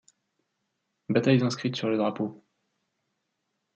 Batailles inscrites sur le drapeau:.